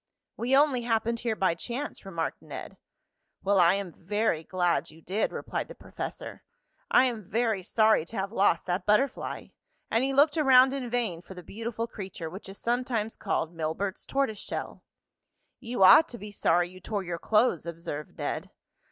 "We only happened here by chance," remarked Ned. "Well, I am very glad you did," replied the professor. "I am very sorry to have lost that butterfly," and he looked around in vain for the beautiful creature, which is sometimes called Milbert's tortoise shell. "You ought to be sorry you tore your clothes," observed Ned.